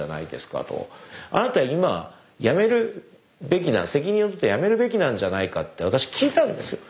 あなた今やめるべき責任を取ってやめるべきなんじゃないかって私聞いたんですよ。